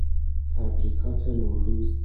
تبریکات نوروز